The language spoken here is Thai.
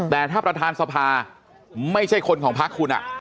แต่ถ้าประธานสภาไม่ใช่คนของพักคุณ